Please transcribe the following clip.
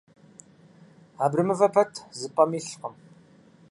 Абрэмывэ пэт зы пӀэм илъкъым.